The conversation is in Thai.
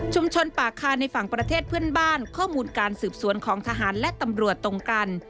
ปากคาในฝั่งประเทศเพื่อนบ้านข้อมูลการสืบสวนของทหารและตำรวจตรงกัน